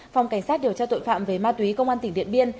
phòng cảnh sát điều tra tội phạm về ma túy công an tỉnh điện biên